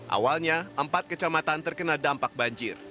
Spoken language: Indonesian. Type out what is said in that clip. awalnya empat kecamatan terkena dampak banjir